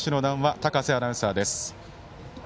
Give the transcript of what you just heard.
高瀬アナウンサーです。